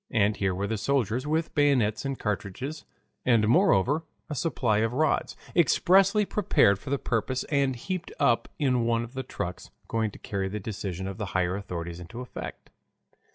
And here were the soldiers with bayonets and cartridges, and moreover, a supply of rods, expressly prepared for the purpose and heaped up in one of the trucks, going to carry the decision of the higher authorities into effect.